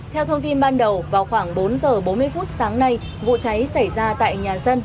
theo thông tin ban đầu vào khoảng bốn h bốn mươi phút sáng nay vụ cháy xảy ra tại nhà dân